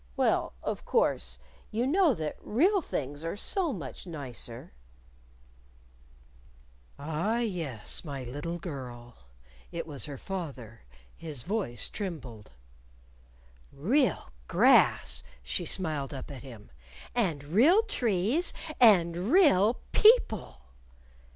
"Well, of course, you know that real things are so much nicer " "Ah, yes, my little girl!" It was her father. His voice trembled. "Real grass," she smiled up at him "and real trees, and real people."